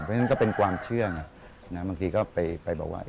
เพราะฉะนั้นก็เป็นความเชื่อไงบางทีก็ไปบอกว่า